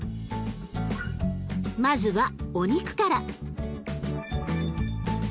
まずはお肉から。